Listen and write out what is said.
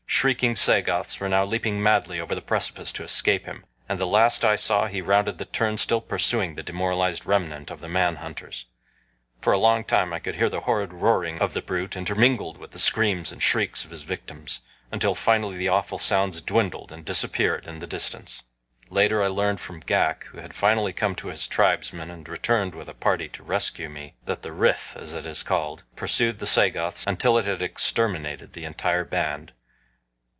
Shrieking Sagoths were now leaping madly over the precipice to escape him, and the last I saw he rounded the turn still pursuing the demoralized remnant of the man hunters. For a long time I could hear the horrid roaring of the brute intermingled with the screams and shrieks of his victims, until finally the awful sounds dwindled and disappeared in the distance. Later I learned from Ghak, who had finally come to his tribesmen and returned with a party to rescue me, that the ryth, as it is called, pursued the Sagoths until it had exterminated the entire band.